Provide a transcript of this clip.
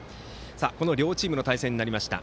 この両チームの対戦になりました。